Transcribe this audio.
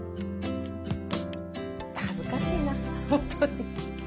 恥ずかしいな本当に。